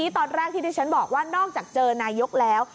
ตอนแรกที่ที่ฉันบอกว่านอกจากเจอนายกแล้ว